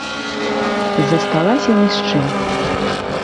Засталася ні з чым.